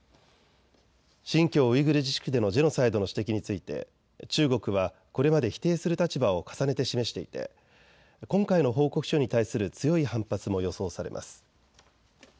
新疆ウイグル自治区でのジェノサイドの指摘について中国はこれまで否定する立場を重ねて示していて今回の報告書に対する強い反発も予想されます。